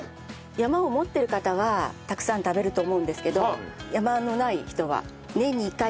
山を持ってる方はたくさん食べると思うんですけど山のない人は。